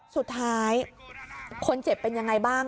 สุดท้ายคนเจ็บเป็นยังไงบ้าง